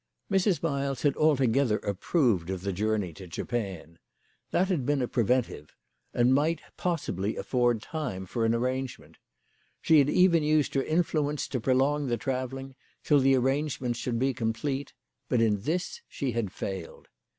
Mrs. Miles had altogether approved of the journey to Japan. That had heen a preventive, and might probably afford time for an arrangement. She had even used her influence to prolong the travelling till the arrangements should be complete ; but in this she had failed.